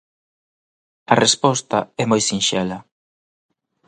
A resposta é moi sinxela.